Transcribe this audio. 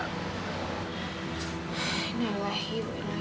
nelahi nelahi nelahi